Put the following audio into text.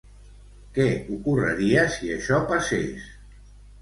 Què ocorreria si això passes?